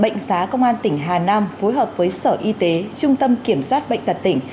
bệnh xá công an tỉnh hà nam phối hợp với sở y tế trung tâm kiểm soát bệnh tật tỉnh